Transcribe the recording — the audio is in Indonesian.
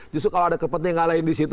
justru kalau ada kepentingan lain di situ